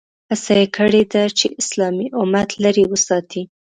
هڅه یې کړې ده چې اسلامي امت لرې وساتي.